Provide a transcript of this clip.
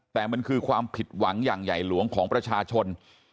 แต่มันคือความผิดหวังอย่างใหญ่หลวงของประชาชน